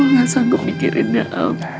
enggak sanggup mikirin dia al